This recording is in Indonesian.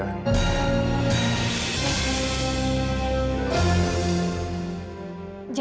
jadi menculik aida